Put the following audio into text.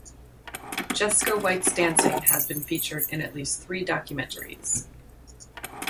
Jesco White's dancing has been featured in at least three documentaries.